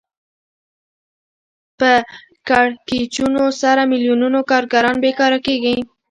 په کړکېچونو سره میلیونونو کارګران بېکاره کېږي